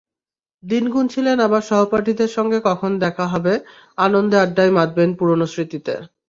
দিন গুনছিলেন আবার সহপাঠীদের সঙ্গে কখন দেখা হবে—আনন্দে আড্ডায় মাতবেন পুরোনো স্মৃতিতে।